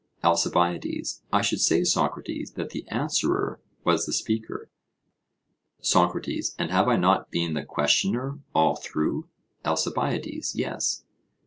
ALCIBIADES: I should say, Socrates, that the answerer was the speaker. SOCRATES: And have I not been the questioner all through? ALCIBIADES: Yes.